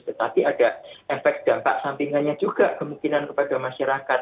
tetapi ada efek dampak sampingannya juga kemungkinan kepada masyarakat